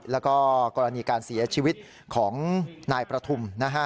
แล้วก็กรณีการเสียชีวิตของนายประทุมนะฮะ